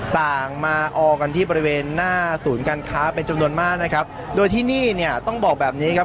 ต่างมาออกันที่บริเวณหน้าศูนย์การค้าเป็นจำนวนมากนะครับโดยที่นี่เนี่ยต้องบอกแบบนี้ครับ